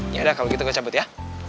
yaudah kalau gitu gue cabut ya